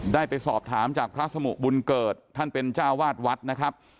ได้ไปสอบถามจากพระสมุบุญเกิดท่านเป็นเจ้าวาดวัดนะครับ